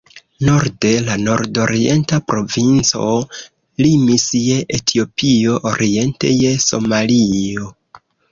Norde la nordorienta provinco limis je Etiopio, oriente je Somalio.